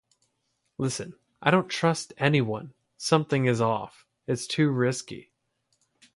Listen, I don't trust anyone, something is off. It's too risky.